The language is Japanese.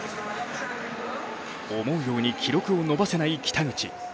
思うように記録を伸ばせない北口。